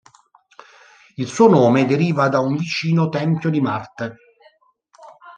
Il suo nome deriva da un vicino tempio di Marte.